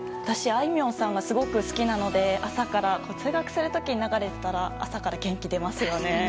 私、あいみょんさんがすごく好きなので通学する時に流れてたら朝から元気出ますよね。